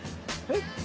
えっ？